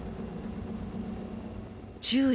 「注意！